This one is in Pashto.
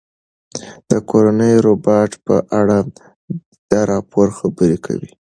د کورني روباټ په اړه دا راپور خبرې کوي.